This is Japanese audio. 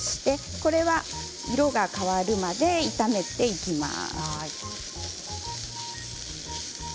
これは色が変わるまで炒めていきます。